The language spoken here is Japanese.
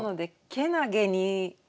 「けなげに」？